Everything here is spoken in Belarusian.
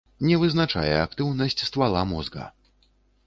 Не вызначае актыўнасць ствала мозга.